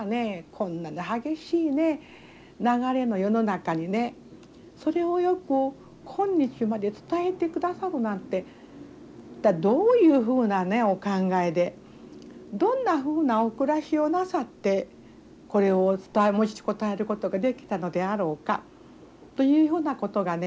こんな激しいね流れの世の中にねそれをよく今日まで伝えてくださるなんて一体どういうふうなねお考えでどんなふうなお暮らしをなさってこれをお伝え持ちこたえることができたのであろうかというようなことがね